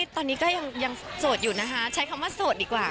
ตอนนี้ก็ยังโสดอยู่นะคะใช้คำว่าโสดดีกว่า